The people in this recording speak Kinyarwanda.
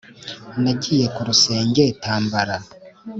Nagiye ku rusenge tambara